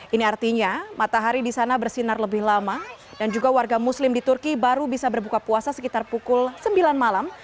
ini artinya matahari di sana bersinar lebih lama dan juga warga muslim di turki baru bisa berbuka puasa sekitar pukul sembilan malam